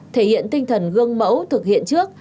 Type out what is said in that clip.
thể hiện tinh thần gương mẫu thực hiện trước